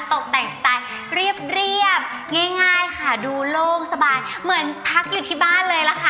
ตกแต่งสไตล์เรียบง่ายค่ะดูโล่งสบายเหมือนพักอยู่ที่บ้านเลยล่ะค่ะ